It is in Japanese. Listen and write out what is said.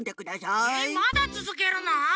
まだつづけるの！？